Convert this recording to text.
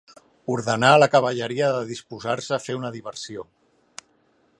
Ordenà a la cavalleria de disposar-se a fer una diversió.